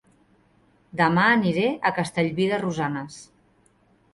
Dema aniré a Castellví de Rosanes